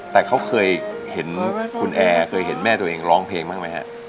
แต่เขาเคยเห็นคุณแอร์เคยเห็นแม่ตัวเองร้องเพลงบ้างไหมฮะ